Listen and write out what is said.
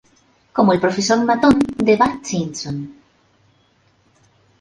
Como el profesor matón de Bart Simpson.